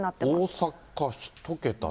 大阪１桁だ。